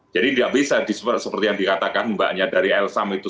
jadi tidak bisa seperti yang dikatakan mbaknya dari elsam itu